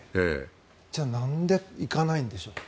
じゃあなんで行かないんでしょうね？